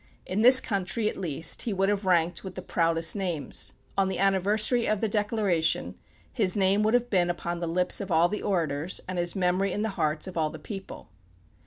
In this country, at least, he would have ranked with the proudest names. On the anniversary of the Declaration his name would have been upon the lips of all the orators, and his memory in the hearts of all the people.